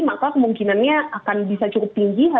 maka kemungkinannya akan bisa cukup tinggi